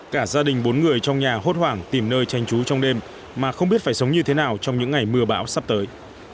cả gia đình bốn người trong nhà hốt hoảng tìm nơi tranh trú trong đêm mà không biết phải sống như thế nào trong những ngày mưa bão sắp tới